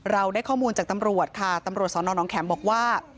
เราได้ข้อมูลจากตำรวจค่ะตำรวจสอนอนน้องแข็มบอกว่า